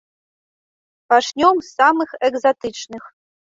Пачнём з самых экзатычных.